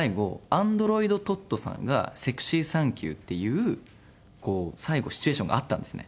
アンドロイドｔｏｔｔｏさんが「セクシーサンキュー」って言う最後シチュエーションがあったんですね。